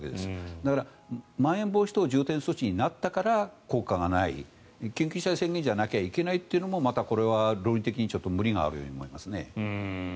だからまん延防止等重点措置になったから効果がない緊急事態宣言じゃなきゃいけないというのもまたこれは論理的に無理があるように思います。